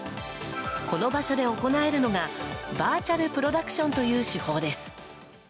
この場所で行えるのがバーチャルプロダクションという手法です。